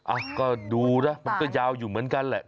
อ่ะก็ดูนะมันก็ยาวอยู่เหมือนกันแหละ